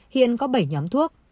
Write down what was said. hiện có bảy nhóm thuốc